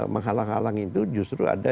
menghalang halangi itu justru ada